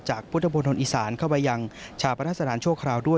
จากพุทธบนธนอีสานเข้าไปยังชาปรัฐสถานโชคราวด้วย